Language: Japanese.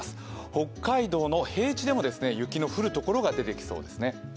北海道の平地でも雪の降る所が出てきそうです。